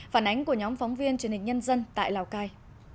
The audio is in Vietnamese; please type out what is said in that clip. phản ánh của nhóm phóng viên truyền hình nhân dân tại lào cai